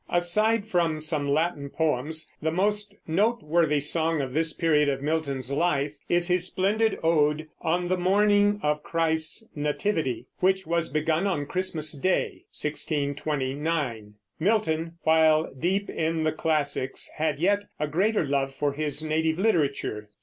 Aside from some Latin poems, the most noteworthy song of this period of Milton's life is his splendid ode, '"On the Morning of Christ's Nativity," which was begun on Christmas day, 1629. Milton, while deep in the classics, had yet a greater love for his native literature.